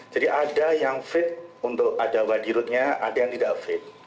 jadi ada yang fit untuk ada wadirutnya ada yang tidak fit